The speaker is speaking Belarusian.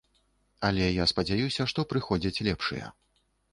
Але я спадзяюся, што прыходзяць лепшыя.